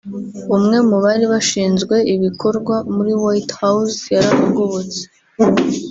umwe mu bari bashinzwe ibikorwa muri White House yarahagobotse